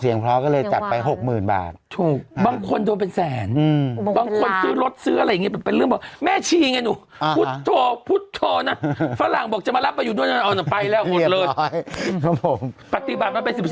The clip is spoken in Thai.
เสียงเพราะก็เลยจัดไป๖๐๐๐๐บาท